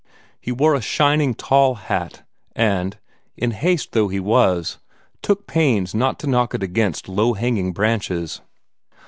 He wore a shining tall hat, and, in haste though he was, took pains not to knock it against low hanging branches.